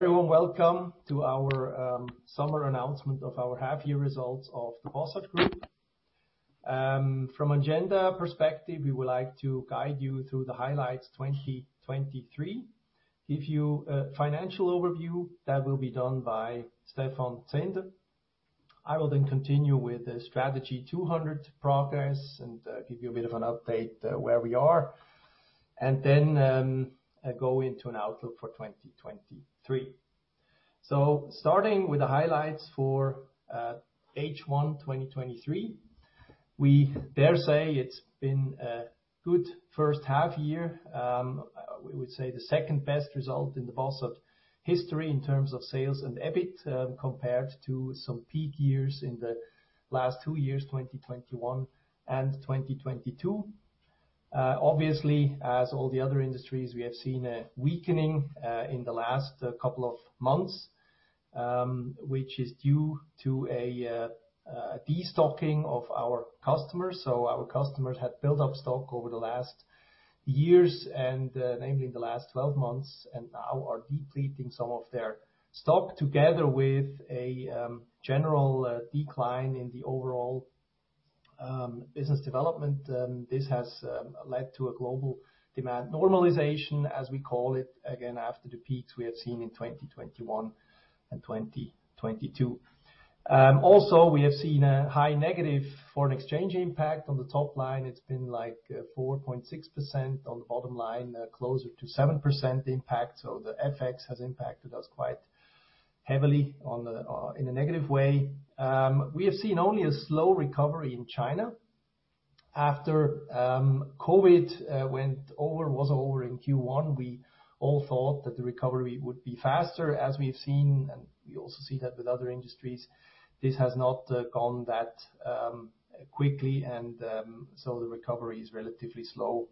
Hello, and welcome to our summer announcement of our half-year results of the Bossard Group. From agenda perspective, we would like to guide you through the highlights 2023, give you a financial overview. That will be done by Stephan Zehnder. I will then continue with the Strategy 200 progress and give you a bit of an update where we are, and then go into an outlook for 2023. Starting with the highlights for H1 2023, we dare say it's been a good first half year. We would say the second best result in the Bossard history in terms of sales and EBIT, compared to some peak years in the last two years, 2021 and 2022. Obviously, as all the other industries, we have seen a weakening in the last couple of months, which is due to a destocking of our customers. Our customers had built up stock over the last years and, namely in the last 12 months, and now are depleting some of their stock together with a general decline in the overall business development. This has led to a global demand normalization, as we call it, again, after the peaks we have seen in 2021 and 2022. Also, we have seen a high negative foreign exchange impact. On the top line, it's been 4.6%. On the bottom line, closer to 7% impact. The FX has impacted us quite heavily on the in a negative way. We have seen only a slow recovery in China. After COVID went over, was over in Q1, we all thought that the recovery would be faster, as we've seen, and we also see that with other industries, this has not gone that quickly and so the recovery is relatively slow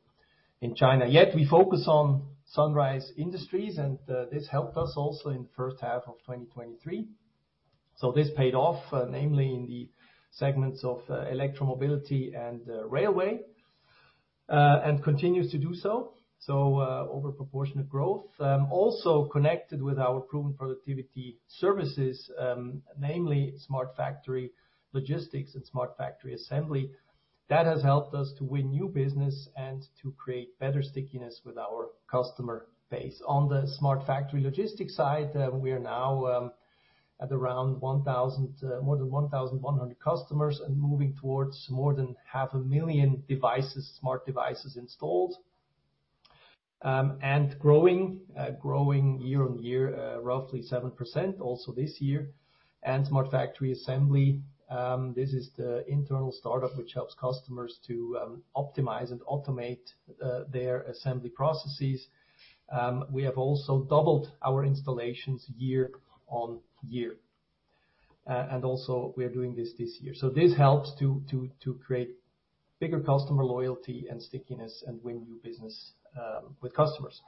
in China. Yet we focus on sunrise industries, and this helped us also in the first half of 2023. This paid off, namely in the segments of electromobility and railway, and continues to do so. Over proportionate growth, also connected with our proven productivity services, namely Smart Factory Logistics and Smart Factory Assembly. That has helped us to win new business and to create better stickiness with our customer base. On the Smart Factory Logistics side, we are now at around 1,000, more than 1,100 customers, and moving towards more than half a million devices, smart devices installed, and growing year on year, roughly 7% also this year. Smart Factory Assembly, this is the internal startup, which helps customers to optimize and automate their assembly processes. We have also doubled our installations year on year, and also we are doing this this year. This helps to create bigger customer loyalty and stickiness and win new business with customers.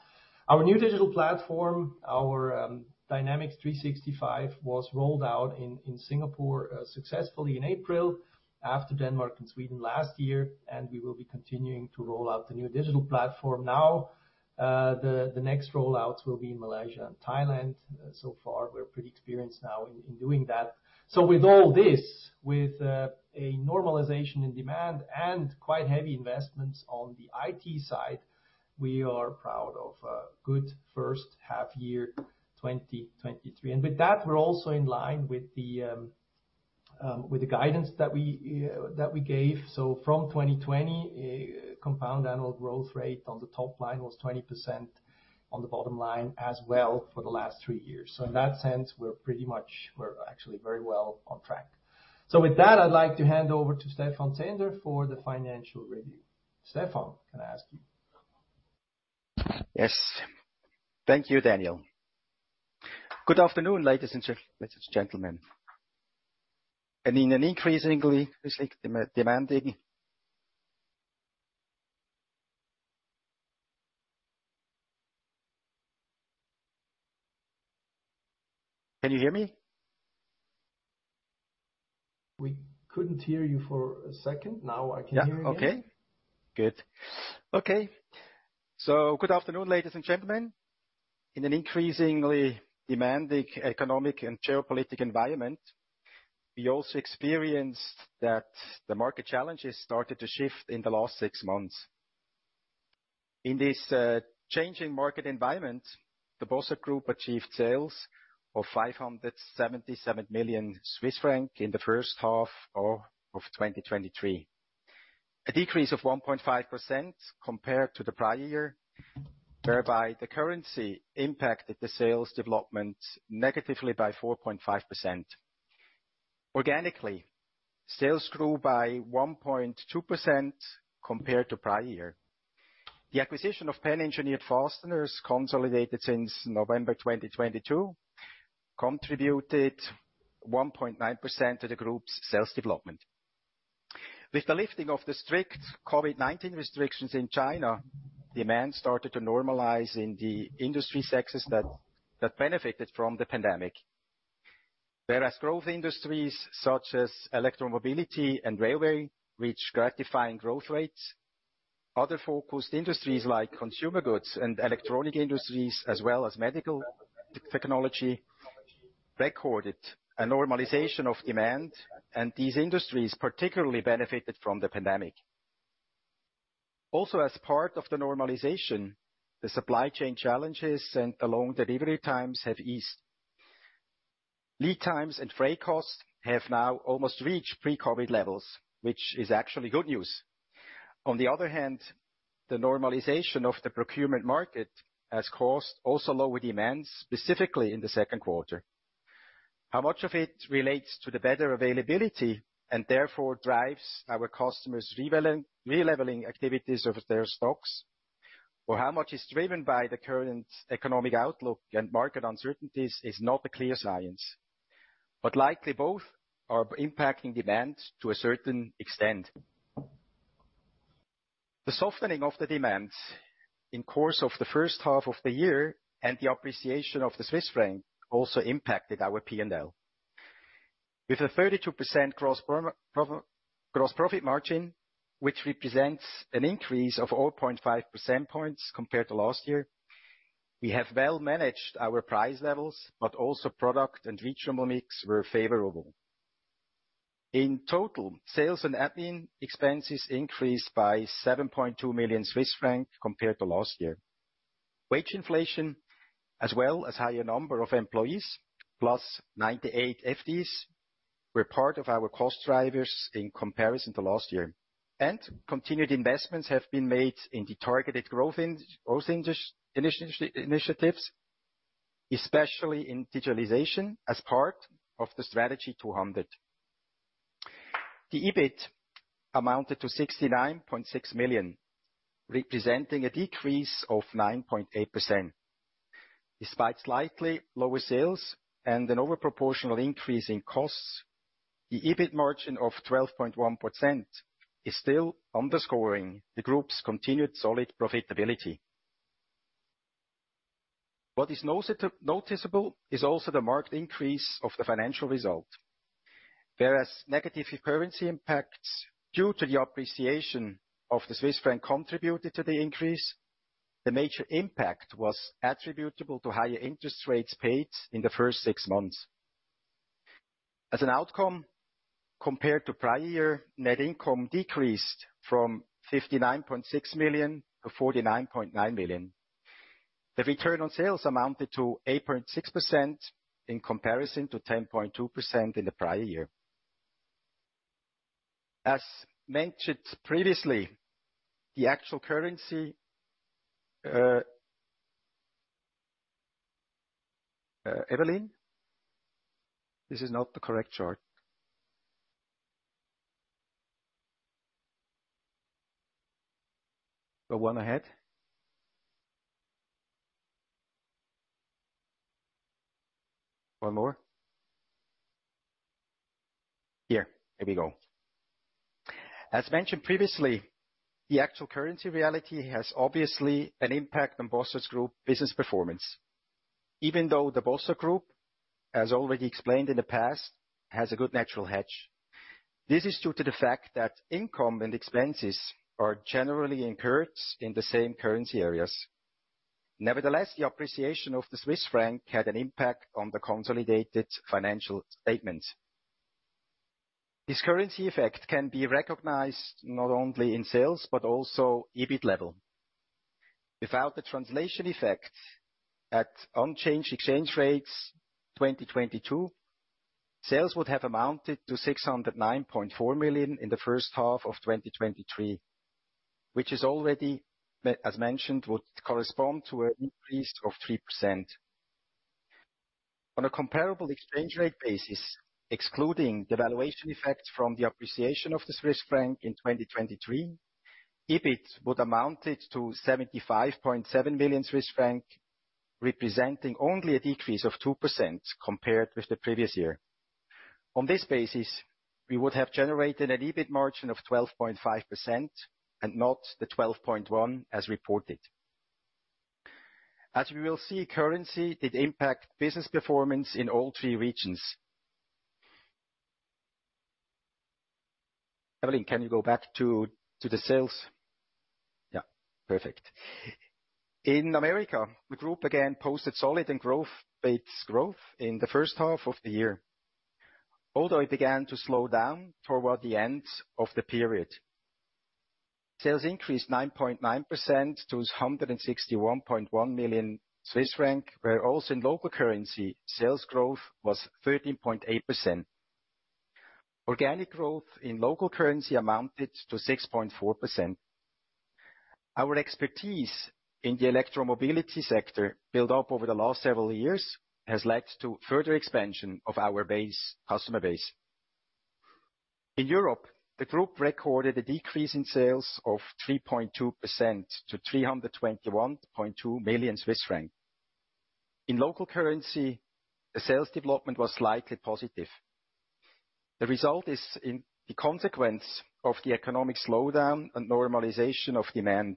Our new digital platform, our Dynamics 365, was rolled out in Singapore successfully in April after Denmark and Sweden last year, and we will be continuing to roll out the new digital platform now. The next rollouts will be in Malaysia and Thailand. So far, we're pretty experienced now in doing that. With all this, with a normalization in demand and quite heavy investments on the IT side, we are proud of a good first half year, 2023. With that, we're also in line with the guidance that we gave. From 2020, compound annual growth rate on the top line was 20%, on the bottom line as well for the last 3 years. In that sense, we're actually very well on track. With that, I'd like to hand over to Stephan Zehnder for the financial review. Stephan, can I ask you? Yes. Thank you, Daniel. Good afternoon, ladies and gentlemen. In an increasingly demanding... Can you hear me? We couldn't hear you for a second. Now I can hear you. Good. Good afternoon, ladies and gentlemen. In an increasingly demanding economic and geopolitical environment, we also experienced that the market challenges started to shift in the last six months. In this changing market environment, the Bossard Group achieved sales of 577 million Swiss francs in the first half of 2023, a decrease of 1.5% compared to the prior year, whereby the currency impacted the sales development negatively by 4.5%. Organically, sales grew by 1.2% compared to prior year. The acquisition of PENN Engineered Fasteners, consolidated since November 2022, contributed 1.9% to the group's sales development. With the lifting of the strict COVID-19 restrictions in China, demand started to normalize in the industry sectors that benefited from the pandemic. Whereas growth industries, such as electromobility and railway, reached gratifying growth rates, other focused industries like consumer goods and electronic industries, as well as medical technology, recorded a normalization of demand, and these industries particularly benefited from the pandemic. Also, as part of the normalization, the supply chain challenges and the long delivery times have eased. Lead times and freight costs have now almost reached pre-COVID levels, which is actually good news. On the other hand, the normalization of the procurement market has caused also lower demand, specifically in the second quarter. How much of it relates to the better availability, and therefore drives our customers' releveling activities of their stocks? Well, how much is driven by the current economic outlook and market uncertainties is not a clear science, but likely both are impacting demand to a certain extent. The softening of the demands in course of the first half of the year, and the appreciation of the Swiss franc also impacted our P&L. With a 32% gross profit margin, which represents an increase of 0.5 percentage points compared to last year, we have well managed our price levels, but also product and regional mix were favorable. In total, sales and admin expenses increased by 7.2 million Swiss francs compared to last year. Wage inflation, as well as higher number of employees, plus 98 FTEs, were part of our cost drivers in comparison to last year. Continued investments have been made in the targeted growth initiatives, especially in digitalization, as part of the Strategy 200. The EBIT amounted to 69.6 million, representing a decrease of 9.8%. Despite slightly lower sales and an overproportional increase in costs, the EBIT margin of 12.1% is still underscoring the group's continued solid profitability. What is noticeable is also the marked increase of the financial result. Negative currency impacts due to the appreciation of the Swiss franc contributed to the increase, the major impact was attributable to higher interest rates paid in the first six months. As an outcome, compared to prior year, net income decreased from 59.6 million to 49.9 million. The return on sales amounted to 8.6% in comparison to 10.2% in the prior year. As mentioned previously, the actual currency. Evelyn, this is not the correct chart. Go one ahead. One more. Here, there we go. As mentioned previously, the actual currency reality has obviously an impact on Bossard Group business performance. Even though the Bossard Group, as already explained in the past, has a good natural hedge. This is due to the fact that income and expenses are generally incurred in the same currency areas. Nevertheless, the appreciation of the Swiss franc had an impact on the consolidated financial statement. This currency effect can be recognized not only in sales, but also EBIT level. Without the translation effect, at unchanged exchange rates, 2022, sales would have amounted to 609.4 million in the first half of 2023, which is already, as mentioned, would correspond to an increase of 3%. On a comparable exchange rate basis, excluding the valuation effect from the appreciation of the Swiss franc in 2023, EBIT would amounted to 75.7 million Swiss francs, representing only a decrease of 2% compared with the previous year. On this basis, we would have generated an EBIT margin of 12.5% and not the 12.1% as reported. As we will see, currency, it impact business performance in all three regions. Evelyn, can you go back to the sales? Yeah, perfect. In America, the group again posted solid and growth-based growth in the first half of the year, although it began to slow down toward the end of the period. Sales increased 9.9% to 161.1 million Swiss franc, where also in local currency, sales growth was 13.8%. Organic growth in local currency amounted to 6.4%. Our expertise in the electromobility sector, built up over the last several years, has led to further expansion of our base, customer base. In Europe, the group recorded a decrease in sales of 3.2% to 321.2 million Swiss francs. In local currency, the sales development was slightly positive. The result is in the consequence of the economic slowdown and normalization of demand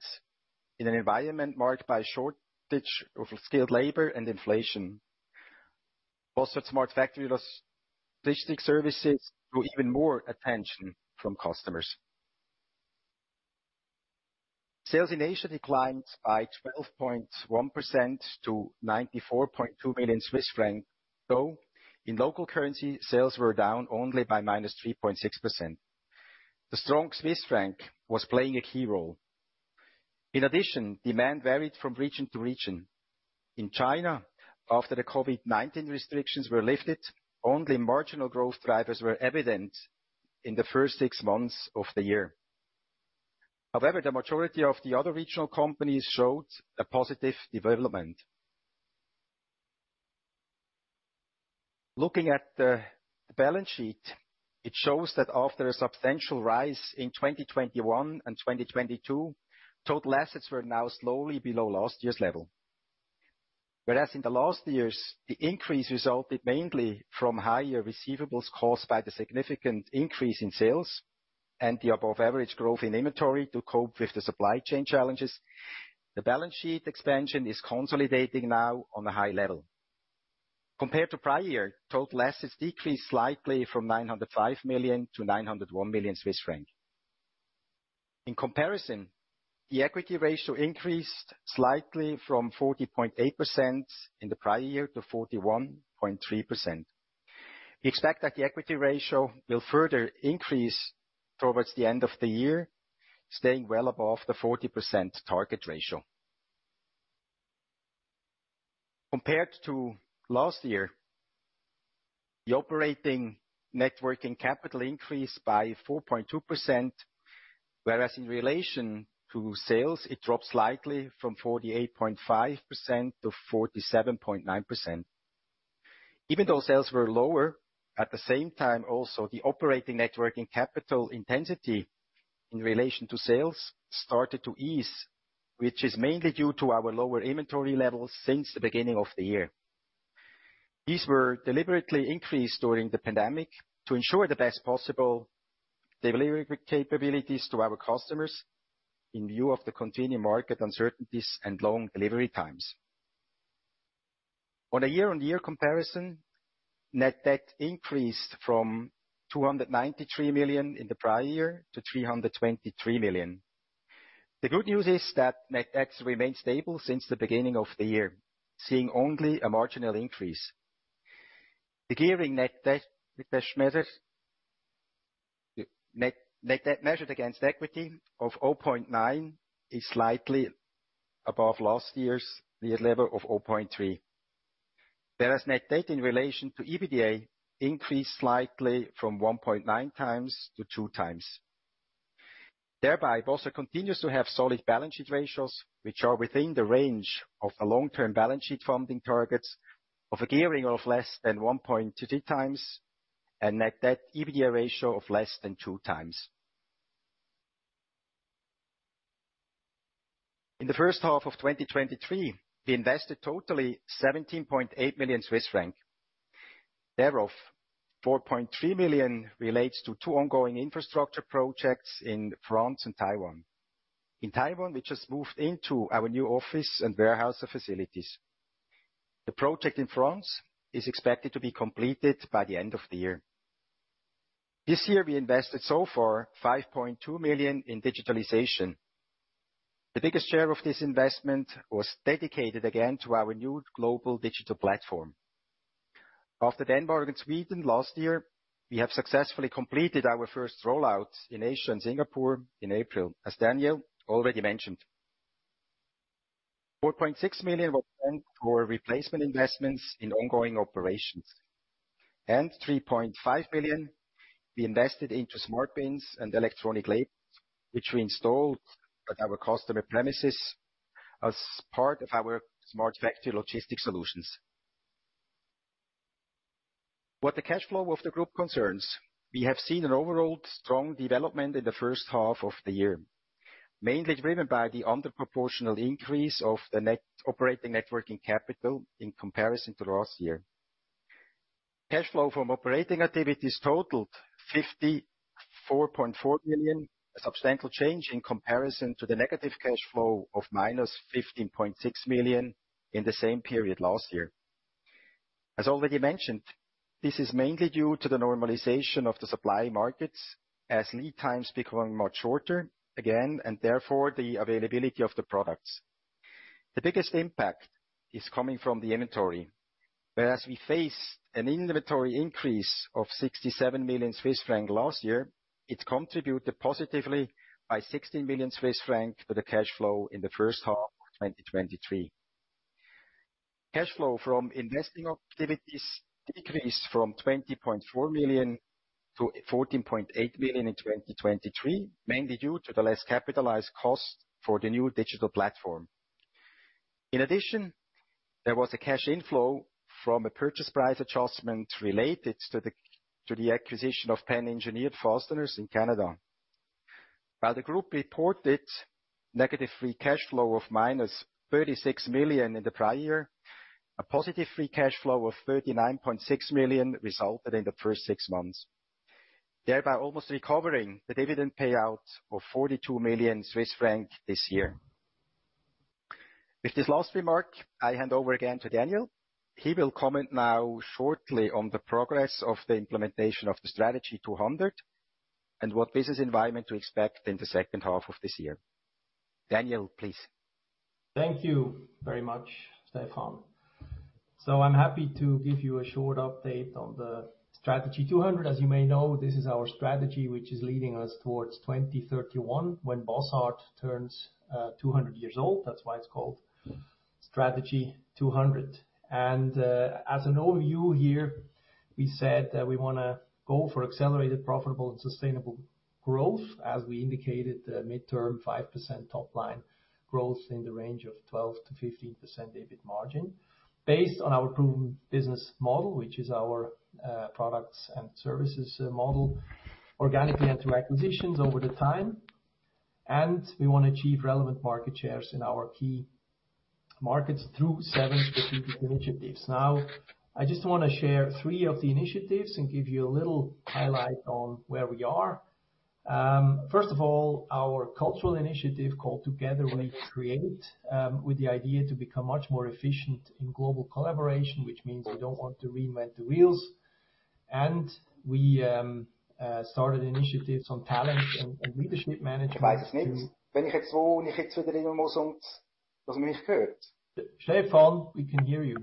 in an environment marked by shortage of skilled labor and inflation. Smart Factory Logistics services drew even more attention from customers. Sales in Asia declined by 12.1% to 94.2 million Swiss francs, though, in local currency, sales were down only by -3.6%. The strong Swiss franc was playing a key role. In addition, demand varied from region to region. In China, after the COVID-19 restrictions were lifted, only marginal growth drivers were evident in the first 6 months of the year. However, the majority of the other regional companies showed a positive development. Looking at the balance sheet, it shows that after a substantial rise in 2021 and 2022, total assets were now slowly below last year's level. Whereas in the last years, the increase resulted mainly from higher receivables caused by the significant increase in sales and the above-average growth in inventory to cope with the supply chain challenges, the balance sheet expansion is consolidating now on a high level. Compared to prior year, total assets decreased slightly from 905 million to 901 million Swiss franc. In comparison, the equity ratio increased slightly from 40.8% in the prior year to 41.3%. We expect that the equity ratio will further increase towards the end of the year, staying well above the 40% target ratio. Compared to last year, the operating net working capital increased by 4.2%, whereas in relation to sales, it dropped slightly from 48.5% to 47.9%. Even though sales were lower, at the same time, also, the operating net working capital intensity in relation to sales started to ease, which is mainly due to our lower inventory levels since the beginning of the year. These were deliberately increased during the pandemic to ensure the best possible delivery capabilities to our customers in view of the continuing market uncertainties and long delivery times. On a year-on-year comparison, net debt increased from 293 million in the prior year to 323 million. The good news is that net debt remains stable since the beginning of the year, seeing only a marginal increase. The gearing net debt, net debt measured against equity of 0.9, is slightly above last year's level of 0.3. Net debt in relation to EBITDA increased slightly from 1.9x to 2x. Bossard continues to have solid balance sheet ratios, which are within the range of the long-term balance sheet funding targets of a gearing of less than 1.2x, and net debt EBITDA ratio of less than 2x. In the first half of 2023, we invested totally 17.8 million Swiss franc. Thereof, 4.3 million relates to two ongoing infrastructure projects in France and Taiwan. In Taiwan, we just moved into our new office and warehouse facilities. The project in France is expected to be completed by the end of the year. This year, we invested so far 5.2 million in digitalization. The biggest share of this investment was dedicated, again, to our new global digital platform. After Denmark and Sweden last year, we have successfully completed our first rollout in Asia and Singapore in April, as Daniel already mentioned. 4.6 million was spent for replacement investments in ongoing operations, and 3.5 million be invested into SmartBins and electronic labels, which we installed at our customer premises as part of our Smart Factory Logistics solutions. What the cash flow of the group concerns, we have seen an overall strong development in the first half of the year, mainly driven by the under proportional increase of the operating net working capital in comparison to last year. Cash flow from operating activities totaled 54.4 million, a substantial change in comparison to the negative cash flow of minus 15.6 million in the same period last year. As already mentioned, this is mainly due to the normalization of the supply markets as lead times becoming much shorter again, and therefore, the availability of the products. The biggest impact is coming from the inventory, whereas we face an inventory increase of 67 million Swiss francs last year, it contributed positively by 16 million Swiss francs for the cash flow in the first half of 2023. Cash flow from investing activities decreased from 20.4 million to 14.8 million in 2023, mainly due to the less capitalized cost for the new digital platform. In addition, there was a cash inflow from a purchase price adjustment related to the acquisition of PENN Engineered Fasteners in Canada. While the group reported negative free cash flow of -36 million in the prior year, a positive free cash flow of 39.6 million resulted in the first six months, thereby almost recovering the dividend payout of 42 million Swiss franc this year. With this last remark, I hand over again to Daniel. He will comment now shortly on the progress of the implementation of the Strategy 200, and what business environment to expect in the second half of this year. Daniel, please. Thank you very much, Stephan. I'm happy to give you a short update on the Strategy 200. As you may know, this is our strategy, which is leading us towards 2031, when Bossard turns 200 years old. That's why it's called Strategy 200. As an overview here, we said that we wanna go for accelerated, profitable and sustainable growth. As we indicated, the midterm 5% top line growth in the range of 12%-15% EBIT margin, based on our proven business model, which is our products and services model, organically and through acquisitions over the time. We want to achieve relevant market shares in our key markets through 7 specific initiatives. I just wanna share 3 of the initiatives and give you a little highlight on where we are. First of all, our cultural initiative, called Together We Create, with the idea to become much more efficient in global collaboration, which means we don't want to reinvent the wheels. We started initiatives on talent and leadership management. Stefan, we can hear you.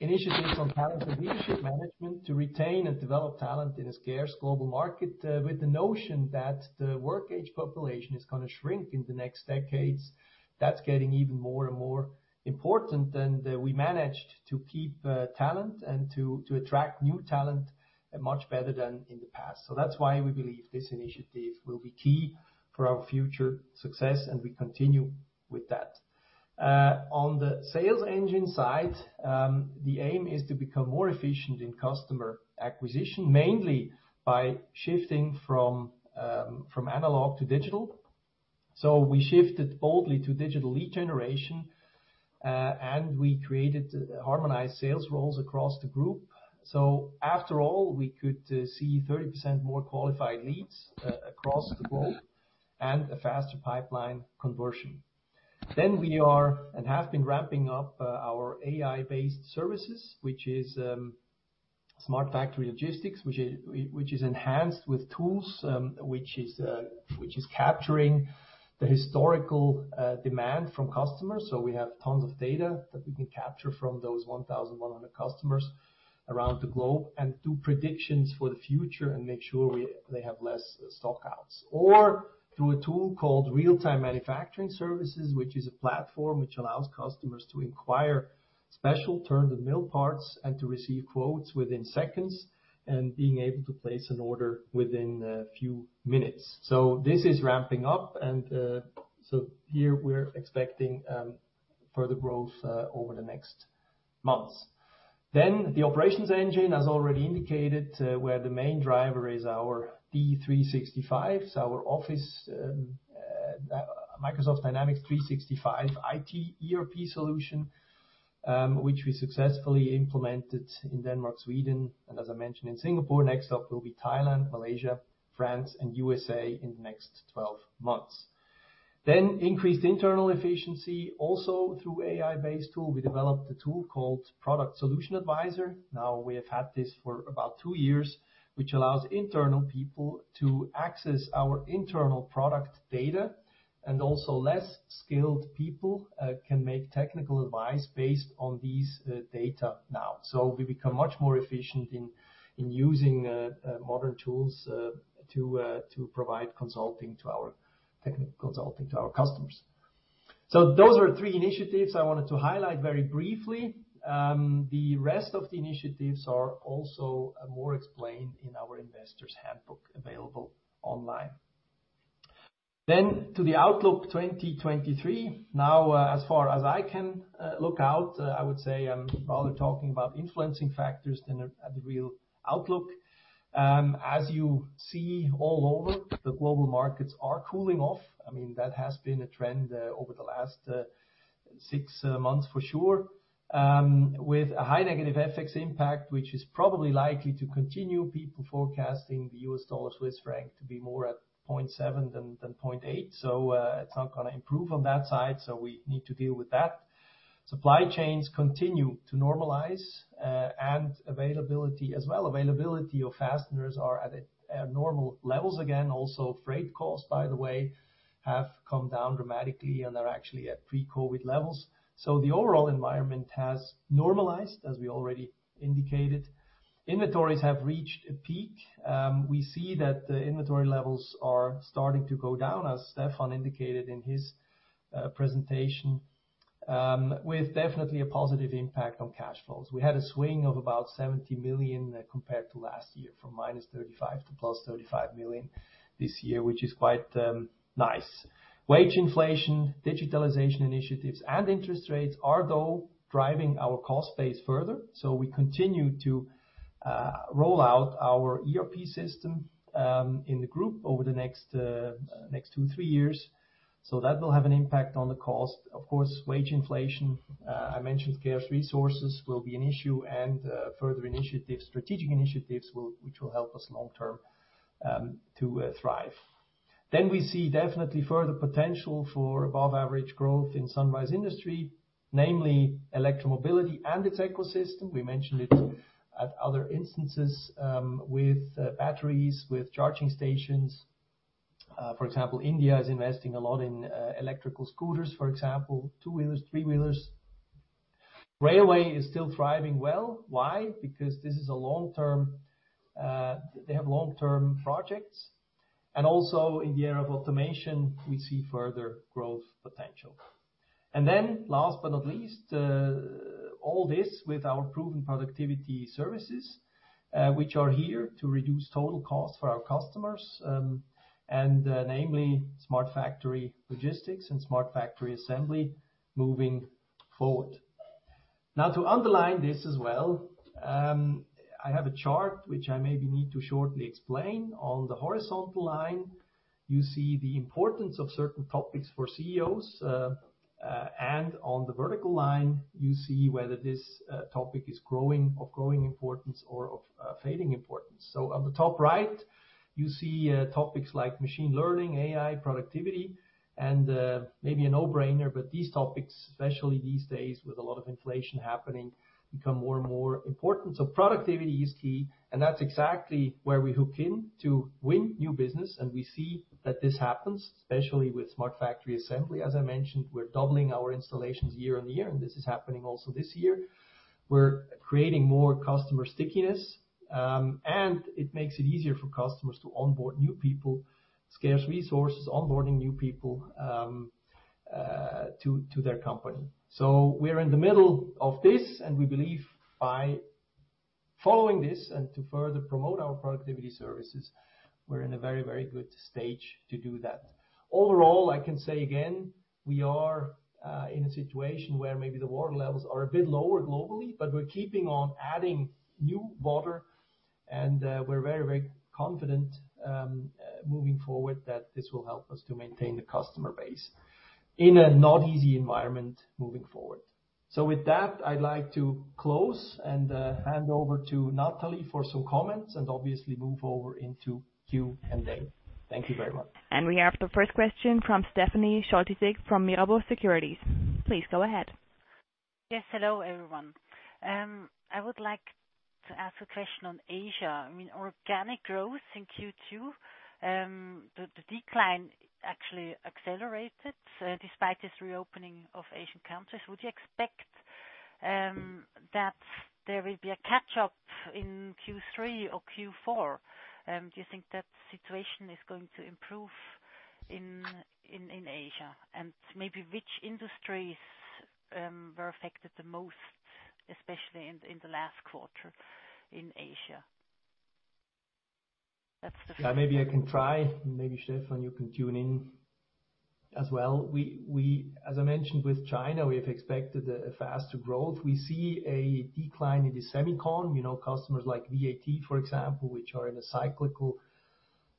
Initiatives on talent and leadership management to retain and develop talent in a scarce global market, with the notion that the work age population is gonna shrink in the next decades. That's getting even more and more important, we managed to keep talent and to attract new talent much better than in the past. That's why we believe this initiative will be key for our future success, we continue with that. On the sales engine side, the aim is to become more efficient in customer acquisition, mainly by shifting from analog to digital. We shifted boldly to digital lead generation, and we created harmonized sales roles across the group. After all, we could see 30% more qualified leads across the globe, and a faster pipeline conversion. We are, and have been ramping up, our AI-based services, which is Smart Factory Logistics, which is enhanced with tools, which is capturing the historical demand from customers. We have tons of data that we can capture from those 1,100 customers around the globe, and do predictions for the future and make sure they have less stock-outs. Through a tool called Real-Time Manufacturing Services, which is a platform which allows customers to inquire special turned and milled parts, and to receive quotes within seconds, and being able to place an order within a few minutes. This is ramping up, and here we're expecting further growth over the next months. The operations engine, as already indicated, where the main driver is our D365, so our office Microsoft Dynamics 365 IT ERP solution, which we successfully implemented in Denmark, Sweden, and as I mentioned, in Singapore. Next up will be Thailand, Malaysia, France, and USA in the next 12 months. Increased internal efficiency, also through AI-based tool. We developed a tool called Product Solution Advisor. We have had this for about 2 years, which allows internal people to access our internal product data, and also less skilled people can make technical advice based on these data now. We become much more efficient in using modern tools to provide technical consulting to our customers. Those are 3 initiatives I wanted to highlight very briefly. The rest of the initiatives are also more explained in our investors handbook, available online. To the outlook 2023. As far as I can look out, I would say I'm rather talking about influencing factors than the real outlook. As you see all over, the global markets are cooling off. I mean, that has been a trend over the last 6 months, for sure. With a high negative FX impact, which is probably likely to continue, people forecasting the US dollar, Swiss franc to be more at 0.7 than 0.8. It's not gonna improve on that side, we need to deal with that. Supply chains continue to normalize, and availability as well. Availability of fasteners are at normal levels again. Freight costs, by the way, have come down dramatically and are actually at pre-COVID levels. The overall environment has normalized, as we already indicated. Inventories have reached a peak. We see that the inventory levels are starting to go down, as Stephan indicated in his presentation, with definitely a positive impact on cash flows. We had a swing of about 70 million compared to last year, from -35 to +35 million this year, which is quite nice. Wage inflation, digitalization initiatives, and interest rates are, though, driving our cost base further, so we continue to roll out our ERP system in the group over the next 2, 3 years. That will have an impact on the cost. Of course, wage inflation, I mentioned scarce resources will be an issue, and further initiatives, strategic initiatives which will help us long term to thrive. We see definitely further potential for above average growth in sunrise industry, namely electromobility and its ecosystem. We mentioned it at other instances, with batteries, with charging stations. For example, India is investing a lot in electrical scooters, for example, two-wheelers, three-wheelers. Railway is still thriving well. Why? Because this is a long-term, they have long-term projects, and also in the era of automation, we see further growth potential. Last but not least, all this with our proven productivity services, which are here to reduce total cost for our customers, and, namely Smart Factory Logistics and Smart Factory Assembly moving forward. To underline this as well, I have a chart which I maybe need to shortly explain. On the horizontal line, you see the importance of certain topics for CEOs, and on the vertical line, you see whether this topic is growing, of growing importance or of fading importance. On the top right, you see topics like machine learning, AI, productivity, and, maybe a no-brainer, but these topics, especially these days, with a lot of inflation happening, become more and more important. Productivity is key. That's exactly where we hook in to win new business. We see that this happens, especially with Smart Factory Assembly. As I mentioned, we're doubling our installations year-over-year. This is happening also this year. We're creating more customer stickiness. It makes it easier for customers to onboard new people, scarce resources, onboarding new people, to their company. We're in the middle of this, and we believe by following this and to further promote our productivity services, we're in a very, very good stage to do that. Overall, I can say again, we are in a situation where maybe the water levels are a bit lower globally, but we're keeping on adding new water, and we're very, very confident moving forward, that this will help us to maintain the customer base in a not easy environment moving forward. With that, I'd like to close and hand over to Natalie for some comments and obviously move over into Q&A. Thank you very much. We have the first question from Stefanie Scholtysik from Mirabaud Securities. Please go ahead. Yes. Hello, everyone. I would like to ask a question on Asia. I mean, organic growth in Q2, the decline actually accelerated, despite this reopening of Asian countries. Would you expect that there will be a catch-up in Q3 or Q4? Do you think that situation is going to improve in Asia? Maybe which industries were affected the most, especially in the last quarter in Asia? That's the first- Yeah, maybe I can try. Maybe, Stefan, you can tune in as well. We, as I mentioned, with China, we have expected a faster growth. We see a decline in the semicon, you know, customers like VAT, for example, which are in a cyclical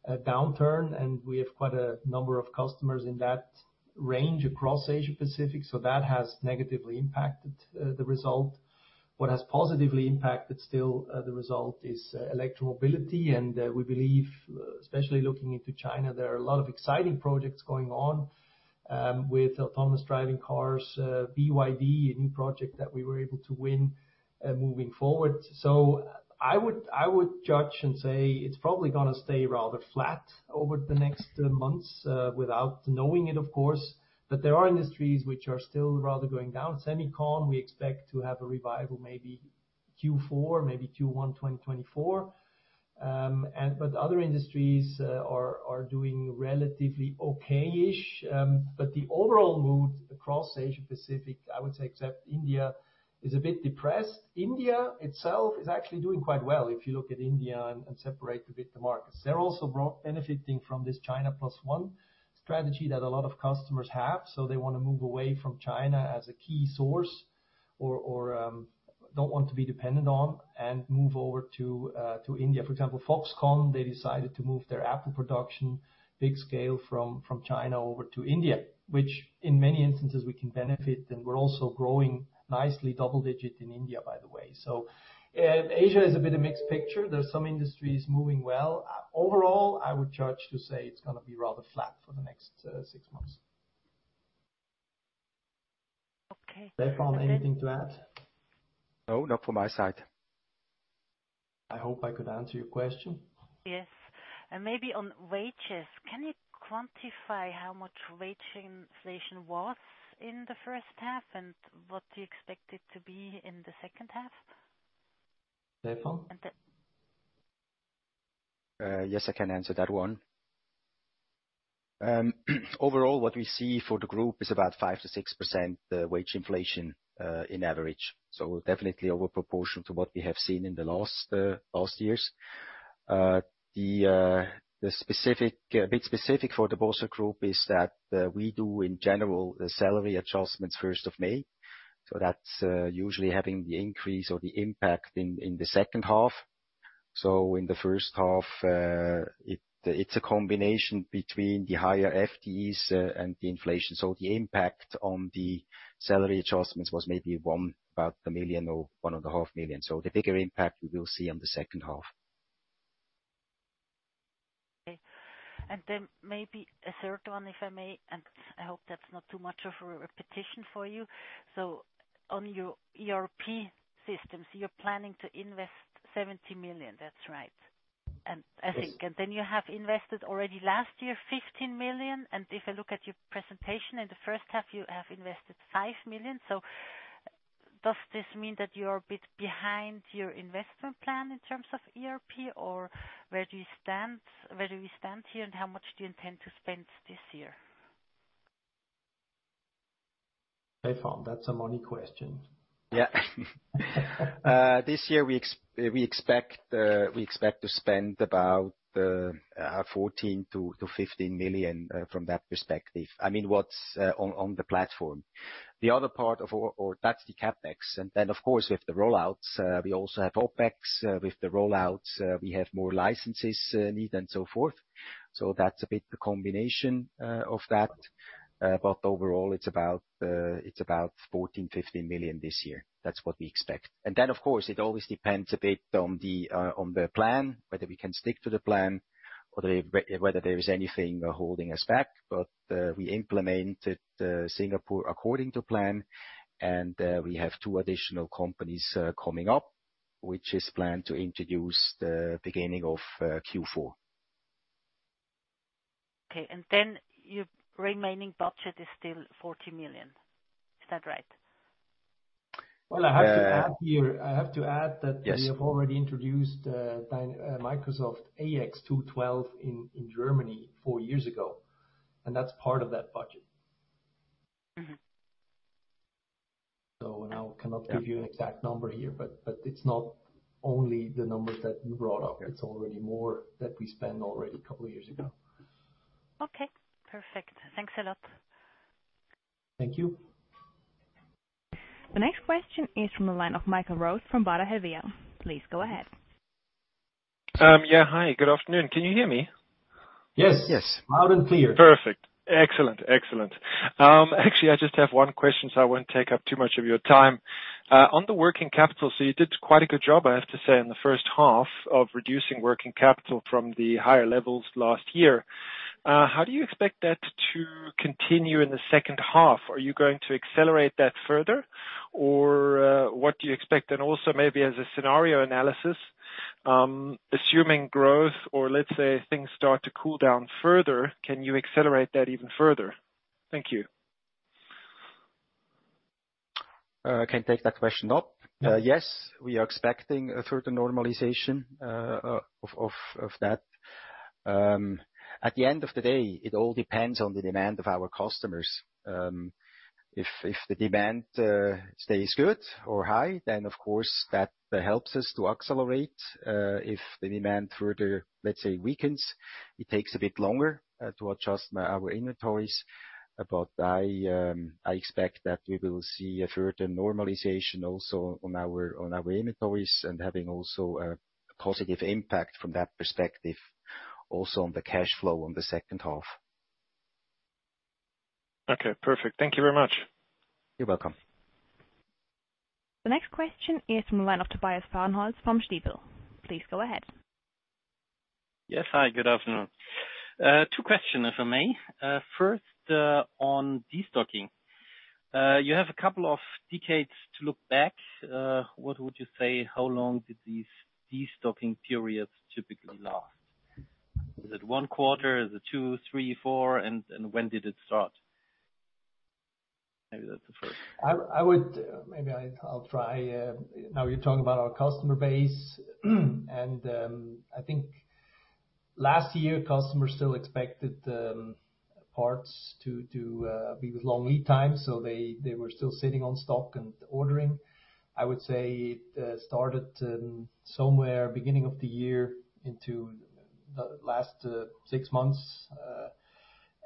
downturn, and we have quite a number of customers in that range across Asia Pacific, so that has negatively impacted the result. What has positively impacted still the result is electromobility, and we believe, especially looking into China, there are a lot of exciting projects going on with autonomous driving cars, BYD, a new project that we were able to win moving forward. I would judge and say it's probably gonna stay rather flat over the next months, without knowing it, of course. There are industries which are still rather going down. semicon, we expect to have a revival, maybe Q4, maybe Q1, 2024. Other industries are doing relatively okay-ish. The overall mood across Asia Pacific, I would say, except India, is a bit depressed. India itself is actually doing quite well, if you look at India and separate a bit the markets. They're also benefiting from this China plus one strategy that a lot of customers have. They wanna move away from China as a key source or don't want to be dependent on and move over to India. For example, Foxconn, they decided to move their Apple production, big scale, from China over to India, which in many instances, we can benefit, and we're also growing nicely, double-digit in India, by the way. Asia is a bit of mixed picture. There are some industries moving well. Overall, I would judge to say it's gonna be rather flat for the next six months. Okay. Stephan, anything to add? No, not from my side. I hope I could answer your question. Yes, maybe on wages, can you quantify how much wage inflation was in the first half and what do you expect it to be in the second half? Stefan? Yes, I can answer that one. Overall, what we see for the group is about 5%-6% wage inflation in average. Definitely over proportion to what we have seen in the last years. The specific bit specific for the Bossard Group is that we do in general, the salary adjustments first of May. That's usually having the increase or the impact in the second half. In the first half, it's a combination between the higher FTEs and the inflation. The impact on the salary adjustments was maybe 1, about 1 million or one and a half million. The bigger impact we will see on the second half. Okay. And then maybe a third one, if I may, and I hope that's not too much of a repetition for you. On your ERP systems, you're planning to invest 70 million, that's right? Yes. I think. Then you have invested already last year, 15 million, and if I look at your presentation in the first half, you have invested 5 million. Does this mean that you're a bit behind your investment plan in terms of ERP? Or where do we stand here, and how much do you intend to spend this year? Stephan, that's a money question. Yeah. This year we expect to spend about 14 million-15 million from that perspective. I mean, what's on the platform. That's the CapEx, of course, with the rollouts, we also have OpEx. With the rollouts, we have more licenses need and so forth. That's a bit the combination of that. Overall, it's about 14 million-15 million this year. That's what we expect. Of course, it always depends a bit on the plan, whether we can stick to the plan or whether there is anything holding us back. We implemented Singapore according to plan, and we have 2 additional companies coming up, which is planned to introduce the beginning of Q4. Okay, your remaining budget is still 40 million. Is that right? Uh- Well, I have to add that. Yes... we have already introduced Microsoft Dynamics AX 2012 in Germany four years ago. That's part of that budget. Mm-hmm. Now I cannot give you an exact number here, but it's not only the numbers that you brought up, it's already more that we spent already a couple of years ago. Okay, perfect. Thanks a lot. Thank you. The next question is from the line of Michael Roost from Baader Helvea. Please go ahead. Hi, good afternoon. Can you hear me? Yes. Yes. Loud and clear. Perfect. Excellent, excellent. Actually, I just have one question, I won't take up too much of your time. On the working capital, you did quite a good job, I have to say, in the first half of reducing working capital from the higher levels last year. How do you expect that to continue in the second half? Are you going to accelerate that further? Or, what do you expect? Also, maybe as a scenario analysis, assuming growth, or let's say things start to cool down further, can you accelerate that even further? Thank you. I can take that question up. Yes, we are expecting a further normalization of that. At the end of the day, it all depends on the demand of our customers. If the demand stays good or high, then of course, that helps us to accelerate. If the demand further, let's say, weakens, it takes a bit longer to adjust our inventories. I expect that we will see a further normalization also on our inventories, and having also a positive impact from that perspective, also on the cash flow on the second half. Okay, perfect. Thank you very much. You're welcome. The next question is from the line of Tobias Bühlmann from Stifel. Please go ahead. Yes, hi, good afternoon. two questions, if I may. first, on destocking. you have a couple of decades to look back. what would you say, how long did these destocking periods typically last? Is it one quarter? Is it two, three, four? When did it start? Maybe that's the first. I would. Maybe I'll try. Now you're talking about our customer base, and I think last year, customers still expected parts to be with long lead times, so they were still sitting on stock and ordering. I would say it started somewhere beginning of the year into the last six months,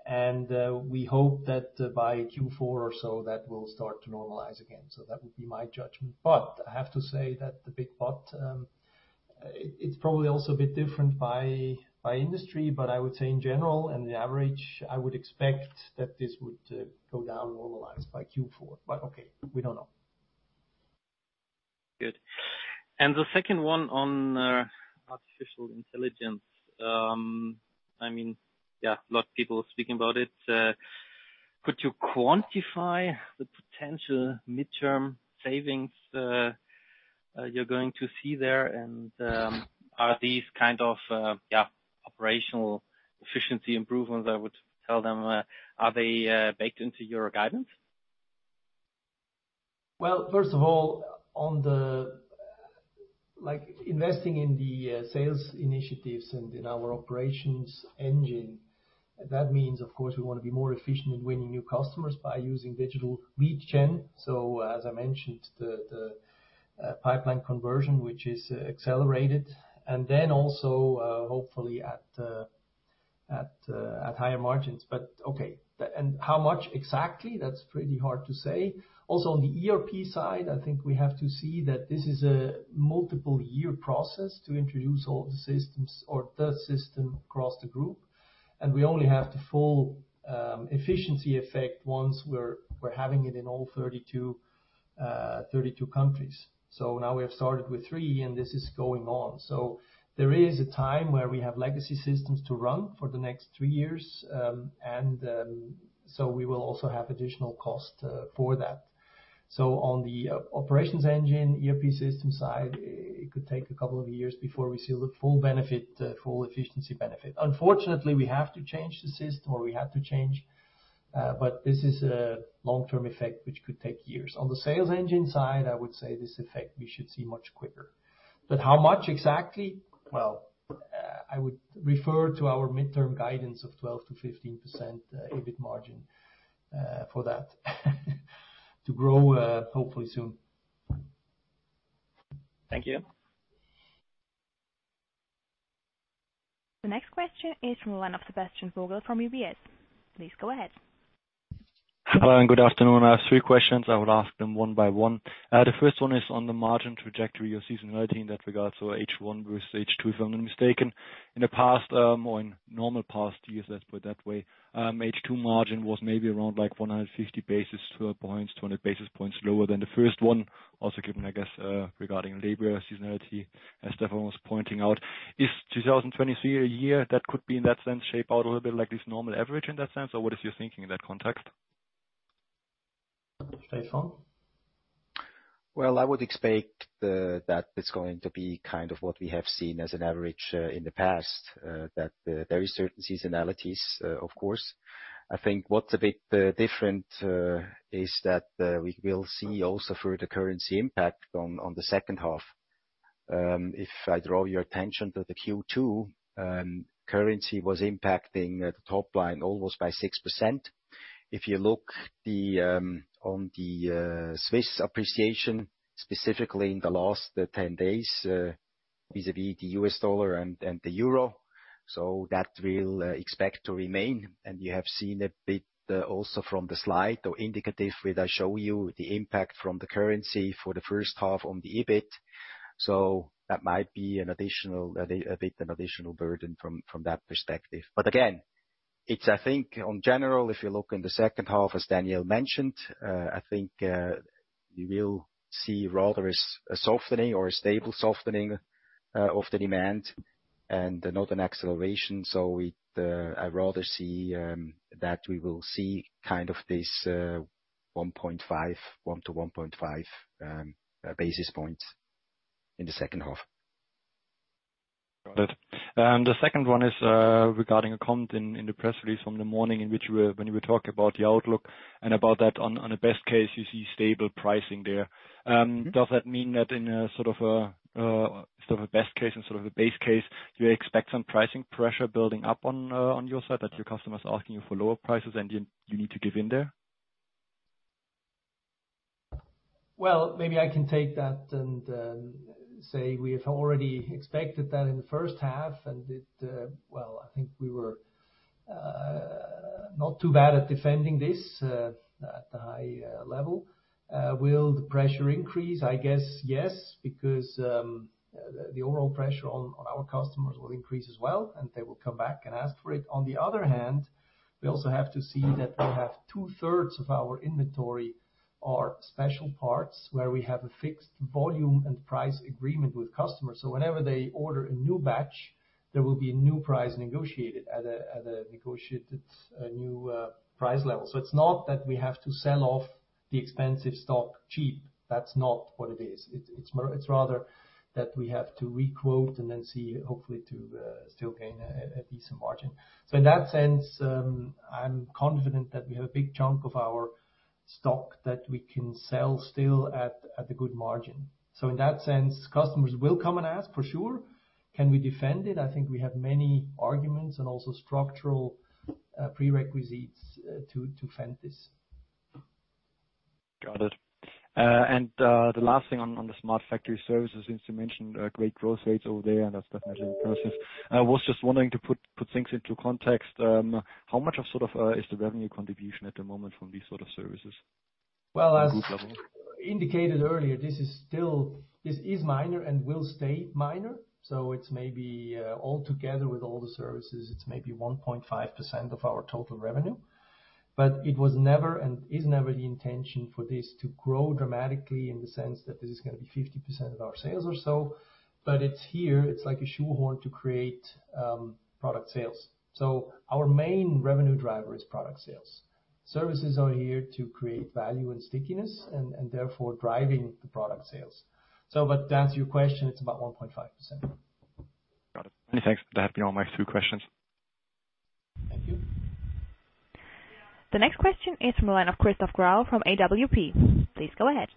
and we hope that by Q4 or so, that will start to normalize again. That would be my judgment. I have to say that the big but, it's probably also a bit different by industry, but I would say in general, and the average, I would expect that this would go down, normalize by Q4. Okay, we don't know. Good. The second one on Artificial Intelligence, I mean, yeah, a lot of people are speaking about it. Could you quantify the potential midterm savings you're going to see there? Are these kind of, yeah, operational efficiency improvements, I would tell them, are they baked into your guidance? Well, first of all, on the... Like, investing in the sales initiatives and in our operations engine, that means, of course, we want to be more efficient in winning new customers by using digital lead gen. As I mentioned, the pipeline conversion, which is accelerated, and then also, hopefully at higher margins. Okay, the, and how much exactly? That's pretty hard to say. On the ERP side, I think we have to see that this is a multiple year process to introduce all the systems or the system across the group, and we only have the full efficiency effect once we're having it in all 32 countries. Now we have started with 3, and this is going on. There is a time where we have legacy systems to run for the next 3 years, we will also have additional cost for that. On the operations engine, ERP system side, it could take a couple of years before we see the full benefit, full efficiency benefit. Unfortunately, we have to change the system, or we have to change, this is a long-term effect, which could take years. On the sales engine side, I would say this effect we should see much quicker. How much exactly? Well, I would refer to our midterm guidance of 12%-15% EBIT margin for that, to grow hopefully soon. Thank you. The next question is from the line of Sebastian Vogel, from UBS. Please go ahead. Hello, good afternoon. I have three questions. I will ask them one by one. The first one is on the margin trajectory or seasonality in that regard, H1 versus H2, if I'm not mistaken. In the past, or in normal past years, let's put it that way, H2 margin was maybe around 150 basis to points, 200 basis points lower than the first one. Also given, I guess, regarding labor seasonality, as Stephan was pointing out. Is 2023 a year that could be, in that sense, shape out a little bit like this normal average in that sense, or what is your thinking in that context? Stefan? Well, I would expect that it's going to be kind of what we have seen as an average in the past that there is certain seasonalities, of course. I think what's a bit different is that we will see also further currency impact on the second half. If I draw your attention to the Q2, currency was impacting the top line almost by 6%. If you look the on the Swiss appreciation, specifically in the last 10 days, vis-a-vis the US dollar and the euro, so that we'll expect to remain. You have seen a bit also from the slide, or indicatively, I show you the impact from the currency for the first half on the EBIT. That might be an additional bit, an additional burden from that perspective. Again, it's, I think, on general, if you look in the second half, as Daniel mentioned, I think, you will see rather a softening or a stable softening of the demand and not an acceleration. We, I rather see that we will see kind of this 1.5, 1 to 1.5 basis points in the second half. Got it. The second one is regarding a comment in the press release from the morning, in which when you were talking about the outlook, and about that on a best case, you see stable pricing there. Does that mean that in a sort of a best case and sort of a base case, you expect some pricing pressure building up on your side, that your customers are asking you for lower prices, and you need to give in there? Well, maybe I can take that and say we have already expected that in the first half. Well, I think we were not too bad at defending this at a high level. Will the pressure increase? I guess, yes, because the overall pressure on our customers will increase as well. They will come back and ask for it. On the other hand, we also have to see that we have two-thirds of our inventory are special parts, where we have a fixed volume and price agreement with customers. Whenever they order a new batch, there will be a new price negotiated at a negotiated new price level. It's not that we have to sell off the expensive stock cheap. That's not what it is. It's more, it's rather that we have to re-quote and then see, hopefully, to still gain a decent margin. In that sense, I'm confident that we have a big chunk of our stock that we can sell still at a good margin. In that sense, customers will come and ask, for sure. Can we defend it? I think we have many arguments and also structural prerequisites to fund this. Got it. The last thing on the Smart Factory services, since you mentioned, great growth rates over there, and that's definitely impressive. I was just wondering, to put things into context, how much of, sort of, is the revenue contribution at the moment from these sort of services? Well. At a group level. indicated earlier, this is still. This is minor and will stay minor, it's maybe all together with all the services, it's maybe 1.5% of our total revenue. It was never, and is never, the intention for this to grow dramatically in the sense that this is gonna be 50% of our sales or so. It's here, it's like a shoehorn to create product sales. Our main revenue driver is product sales. Services are here to create value and stickiness and therefore, driving the product sales. To answer your question, it's about 1.5%. Got it. Many thanks. That will be all my three questions. Thank you. The next question is from the line of Christoph Grau, from AWP. Please go ahead.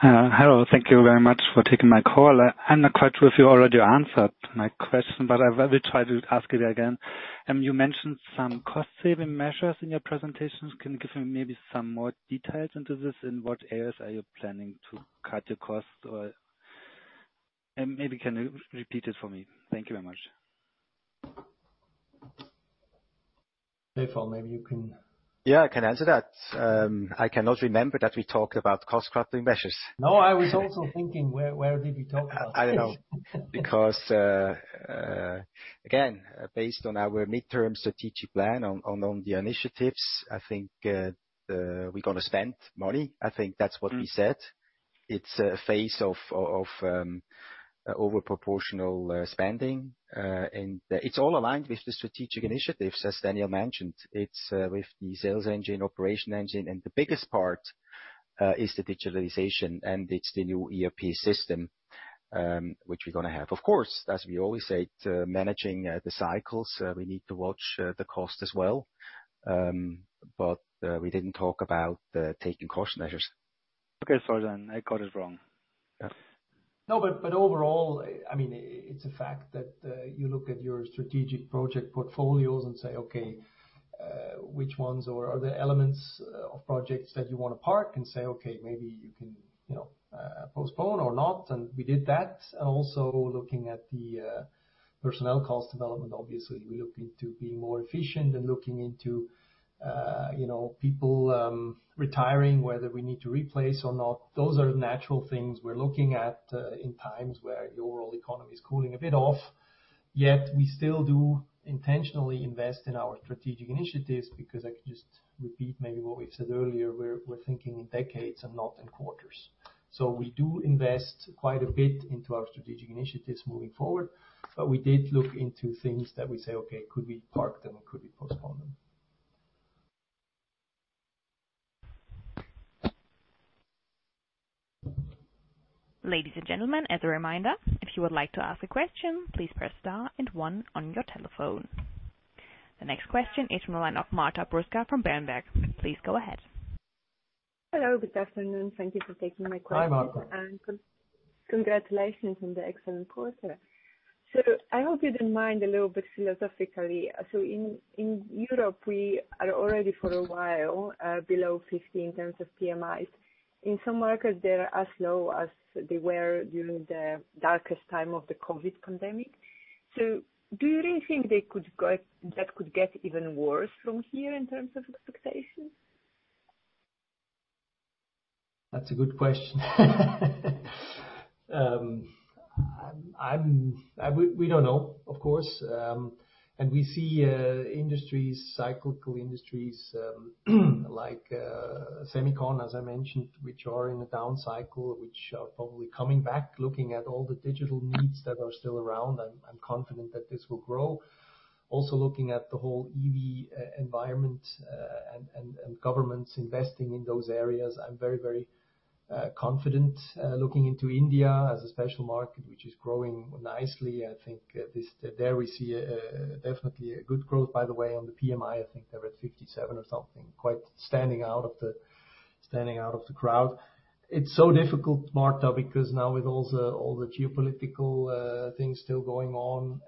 Hello, thank you very much for taking my call. I'm not quite sure if you already answered my question, but I will try to ask it again. You mentioned some cost saving measures in your presentations. Can you give me maybe some more details into this? In what areas are you planning to cut your costs and maybe can you repeat it for me? Thank you very much. Stephan, maybe you. Yeah, I can answer that. I cannot remember that we talked about cost cutting measures. No, I was also thinking, where did we talk about this? I know, because, again, based on our midterm strategic plan on the initiatives, I think, we're gonna spend money. I think that's what we said. Mm-hmm. It's a phase of over proportional spending, and it's all aligned with the strategic initiatives, as Daniel mentioned. It's with the sales engine, operation engine, and the biggest part is the digitalization, and it's the new ERP system which we're gonna have. Of course, as we always say, to managing the cycles, we need to watch the cost as well. We didn't talk about taking cost measures. Okay. Sorry, I got it wrong. Yeah. Overall, I mean, it's a fact that you look at your strategic project portfolios and say, "Okay, which ones or are there elements of projects that you want to park?" Say, "Okay, maybe you can, you know, postpone or not." We did that. Also looking at the personnel cost development, obviously, we're looking to be more efficient and looking into, you know, people retiring, whether we need to replace or not. Those are natural things we're looking at in times where the overall economy is cooling a bit off. We still do intentionally invest in our strategic initiatives because I can just repeat maybe what we've said earlier, we're thinking in decades and not in quarters. We do invest quite a bit into our strategic initiatives moving forward, but we did look into things that we say, "Okay, could we park them? Could we postpone them? Ladies and gentlemen, as a reminder, if you would like to ask a question, please press star and one on your telephone. The next question is from the line of Marta Bruska from Berenberg. Please go ahead. Hello. Good afternoon. Thank you for taking my question. Hi, Marta. Congratulations on the excellent quarter. I hope you don't mind a little bit philosophically. In Europe, we are already for a while, below 50 in terms of PMI. In some markets, they're as low as they were during the darkest time of the COVID pandemic. Do you really think that could get even worse from here in terms of expectations? That's a good question. We don't know, of course, we see industries, cyclical industries, like semicon, as I mentioned, which are in a down cycle, which are probably coming back. Looking at all the digital needs that are still around, I'm confident that this will grow. Looking at the whole EV environment, and governments investing in those areas, I'm very confident. Looking into India as a special market, which is growing nicely, I think, there we see definitely a good growth. By the way, on the PMI, I think they're at 57 or something, quite standing out of the crowd. It's so difficult, Marta, because now with all the, all the geopolitical things still going on,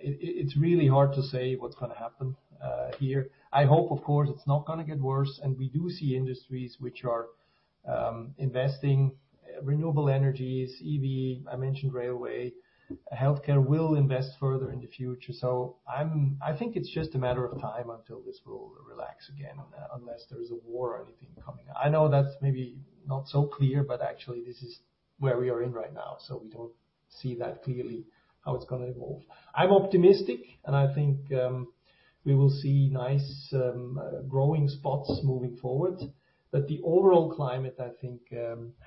it's really hard to say what's gonna happen here. I hope, of course, it's not gonna get worse, we do see industries which are investing, renewable energies, EV, I mentioned railway, healthcare will invest further in the future. I think it's just a matter of time until this will relax again, unless there is a war or anything coming. I know that's maybe not so clear, actually this is where we are in right now, we don't see that clearly, how it's gonna evolve. I'm optimistic, I think we will see nice growing spots moving forward. The overall climate, I think,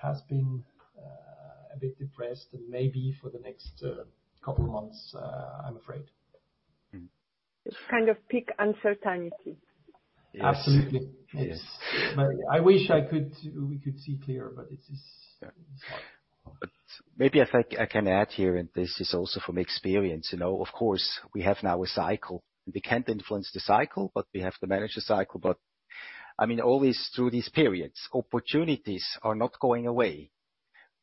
has been a bit depressed and maybe for the next couple months, I'm afraid. It's kind of peak uncertainty. Absolutely. Yes. Yes. I wish I could, we could see clearer, but it is. maybe if I can add here, and this is also from experience, you know, of course, we have now a cycle. We can't influence the cycle, but we have to manage the cycle. I mean, always through these periods, opportunities are not going away.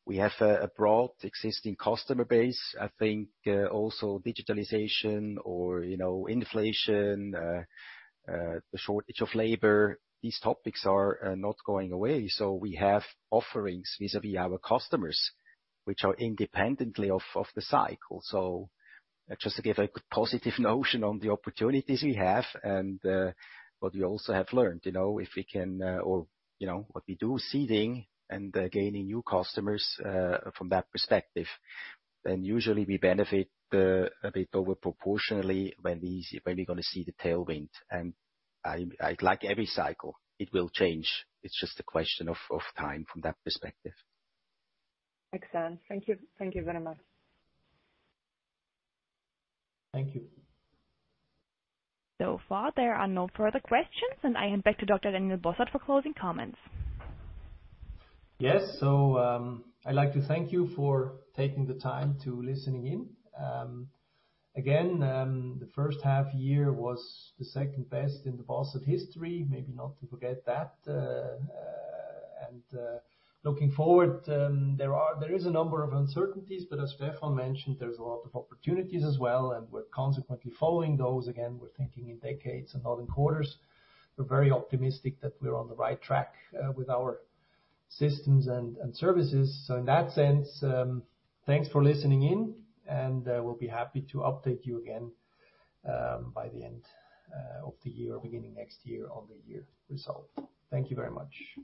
We have a broad existing customer base. I think, also digitalization or, you know, inflation, the shortage of labor, these topics are not going away. We have offerings vis-à-vis our customers, which are independently of the cycle. Just to give a positive notion on the opportunities we have and what we also have learned, you know, if we can, or, you know, what we do seeding and gaining new customers from that perspective, then usually we benefit a bit over proportionally when we're gonna see the tailwind. Like every cycle, it will change. It's just a question of time from that perspective. Excellent. Thank you. Thank you very much. Thank you. Far, there are no further questions, and I hand back to Dr. Daniel Bossard for closing comments. Yes, I'd like to thank you for taking the time to listening in. Again, the first half year was the second best in the Bossard history, maybe not to forget that. Looking forward, there is a number of uncertainties, but as Stephan mentioned, there's a lot of opportunities as well, and we're consequently following those. Again, we're thinking in decades and not in quarters. We're very optimistic that we're on the right track with our systems and services. In that sense, thanks for listening in, we'll be happy to update you again by the end of the year or beginning of next year on the year result. Thank you very much.